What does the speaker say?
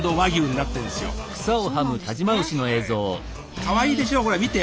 かわいいでしょこれ見て。